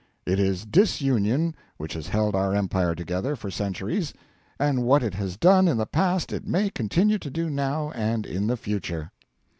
It is disunion which has held our empire together for centuries, and what it has done in the past it may continue to do now and in the future.'